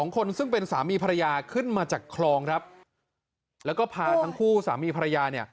คนซึ่งเป็นสามีภรรยาขึ้นมาจากคลองครับแล้วก็พาทั้งคู่สามีภรรยาเนี่ย